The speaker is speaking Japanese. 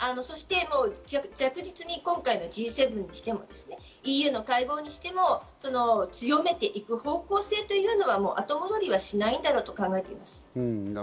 そして着実に今回のＧ７にしても、ＥＵの会合にしても、強めていく方向性というのはもう後戻りはしないんだろうと考えています。